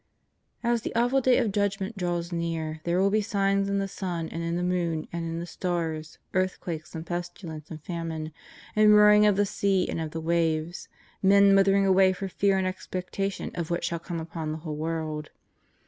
As the awfnl Day of Judgment draws near, there will be signs in the sun and in the moon and in the stars, earthquakes and pestilence and famine, and roar ing of the sea and of the waves, men withering away for fear and expectation of what shall come upon the whole world.